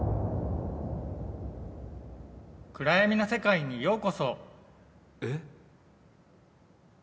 暗闇の世界にようこそ！え？